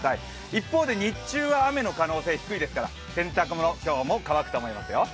一方で日中は雨の可能性は低いですから洗濯物、今日も乾くと思いますよ。